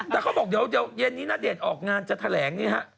แต่เขาบอกเดี๋ยวเย็นนี้ณเดชน์ออกงานจะแถลงนี่ฮะ